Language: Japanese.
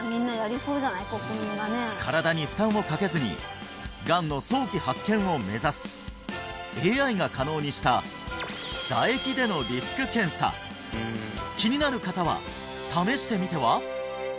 身体に負担をかけずにがんの早期発見を目指すＡＩが可能にした気になる方は試してみては？